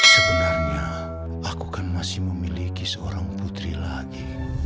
sebenarnya aku kan masih memiliki seorang putri lagi